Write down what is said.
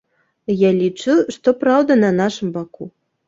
Я лічу, што праўда на нашым баку.